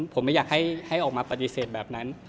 ผมไม่อยากให้ออกมาปฏิเสธแบบนั้น